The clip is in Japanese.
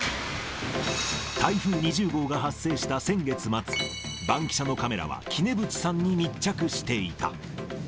台風２０号が発生した先月末、バンキシャのカメラは杵渕さんに密着していた。